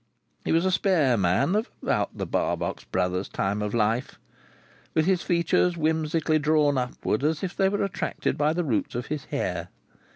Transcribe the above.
He was a spare man of about the Barbox Brothers' time of life, with his features whimsically drawn upward as if they were attracted by the roots of his hair.